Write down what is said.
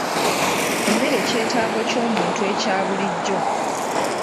Emmere kyetaago ky'omuntu ekya bulijjo.